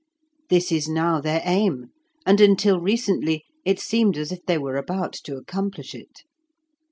This is now their aim, and until recently it seemed as if they were about to accomplish it.